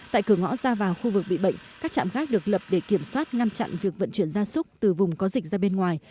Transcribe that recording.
tại cửa ngõ ra vào khu vực bị bệnh các trạm gác được lập để kiểm soát ngăn chặn việc vận chuyển gia súc từ vùng có dịch ra bên ngoài